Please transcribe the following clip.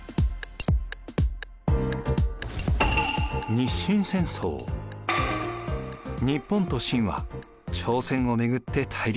日本と清は朝鮮を巡って対立。